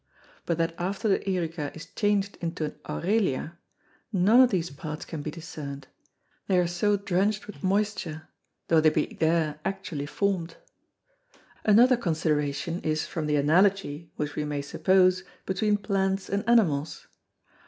But that after the Eruca is chang'd into an Aurelia, none of these Parts can be discern'd, they are so drencht with moisture, tho' they be there actually form'd. Another Consideration is from the Analogy, which we may suppose between Plants and Animals.